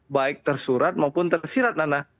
baik tersurat maupun tersirat nana